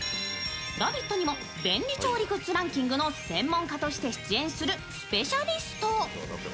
「ラヴィット！」にも便利調理グッズランキングの専門家としても出演するスペシャリスト。